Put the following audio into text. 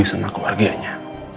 dia peduli sama keluarganya